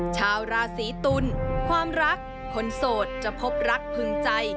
ชาวราศีตุลความรักคนโสดจะพบรักพึงใจ